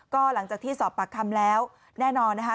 ก็หลังจากที่สอบปากคำแล้วแน่นอนนะคะ